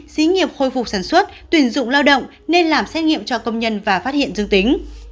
xí nghiệp khôi phục sản xuất tuyển dụng lao động nên làm xét nghiệm cho công nhân và phát hiện dương tính